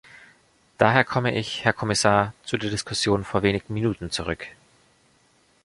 Daher komme ich, Herr Kommissar, zu der Diskussion vor wenigen Minuten zurück.